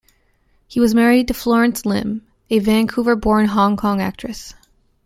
He was married to Florence Lim, a Vancouver-born Hong Kong actress.